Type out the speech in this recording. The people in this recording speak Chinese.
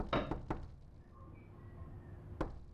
南寺的版库曾存有其画的十块佛像刻版。